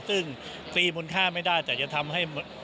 ซึ่งตีมูลค่าไม่ได้แต่จะทำให้